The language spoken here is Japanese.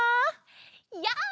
やあ！